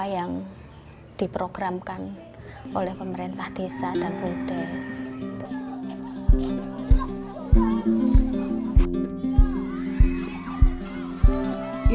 yang diprogramkan oleh pemerintah desa dan bumd sinergi